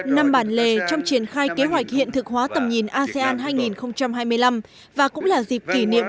năm bản lề trong triển khai kế hoạch hiện thực hóa tầm nhìn asean hai nghìn hai mươi năm và cũng là dịp kỷ niệm